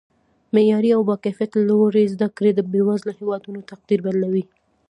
معیاري او با کیفته لوړې زده کړې د بیوزله هیوادونو تقدیر بدلوي